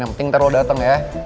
yang penting ntar lu dateng ya